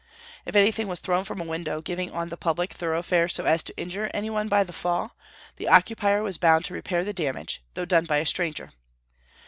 If anything was thrown from a window giving on the public thoroughfare so as to injure any one by the fall, the occupier was bound to repair the damage, though done by a stranger.